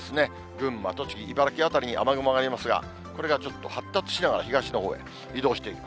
群馬、栃木、茨城辺りに雨雲がありますが、これがちょっと発達しながら東のほうへ移動していく。